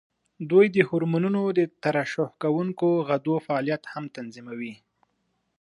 دوی د هورمونونو د ترشح کوونکو غدو فعالیت هم تنظیموي.